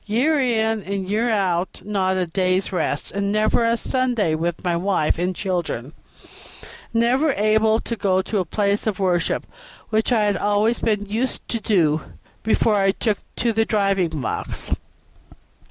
Year in and year out, not a day's rest, and never a Sunday with my wife and children; and never able to go to a place of worship, which I had always been used to do before I took to the driving box.